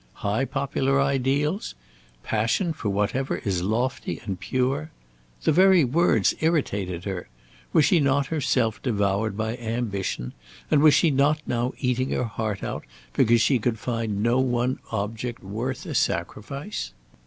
High popular ideals? Passion for whatever is lofty and pure? The very words irritated her. Was she not herself devoured by ambition, and was she not now eating her heart out because she could find no one object worth a sacrifice?